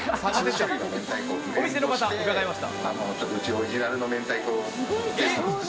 お店の方に伺いました。